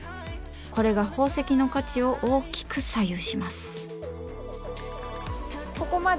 これが宝石の価値を大きく左右します。